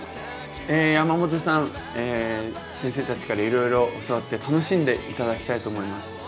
山本さん先生たちからいろいろ教わって楽しんで頂きたいと思います。